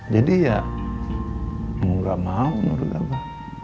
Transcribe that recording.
jadi ya nggak mau menurut aba